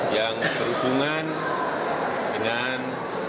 yang berhubungan dengan